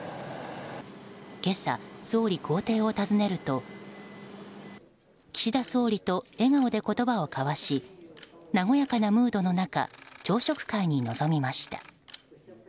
今朝、総理公邸を訪ねると岸田総理と笑顔で言葉を交わし和やかなムードの中朝食会に臨みました。